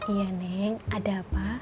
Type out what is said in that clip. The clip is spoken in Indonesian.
iya neng ada apa